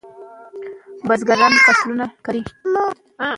که بزګر وي نو فصل نه وچیږي.